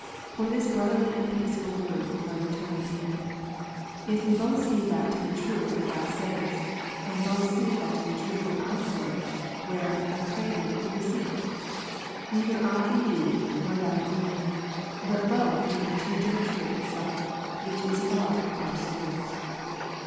For this brotherly and ' peaceful word do I return unto him :" If we both see that to be true that thou sayest, and both see that to be true that I say, where, I pray thee, do we see it ? Neither I in thee, nor thou in me; but both in the unchangeable Truth itself, ^ which is above our souls.